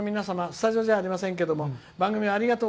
スタジオじゃありませんけど。